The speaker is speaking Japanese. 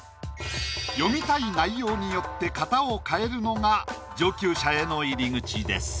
詠みたい内容によって型を変えるのが上級者への入り口です。